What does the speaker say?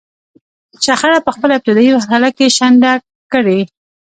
شخړه په خپله ابتدايي مرحله کې شنډه کړي.